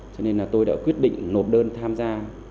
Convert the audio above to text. cho nên là tôi đã quyết định nộp đơn tham gia